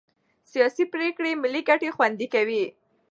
سیاسي پرېکړې ملي ګټې خوندي کوي